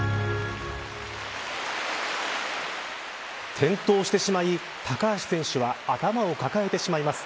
転倒してしまい高橋選手は頭を抱えてしまいます。